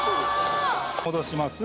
戻します。